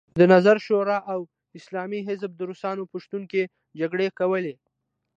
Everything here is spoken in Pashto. د نظار شورا او اسلامي حزب د روسانو په شتون کې جګړې کولې.